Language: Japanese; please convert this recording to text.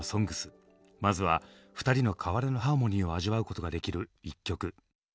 まずは２人の変わらぬハーモニーを味わうことができる１曲。